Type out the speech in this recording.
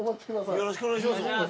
よろしくお願いします。